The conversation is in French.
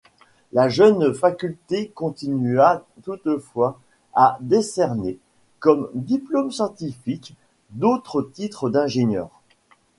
La jeune Faculté continua toutefois à décerner, comme diplômes scientifiques, d'autres titres d'ingénieurs.